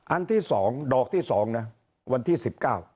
อันที่๒ดอกที่๒วันที่๑๙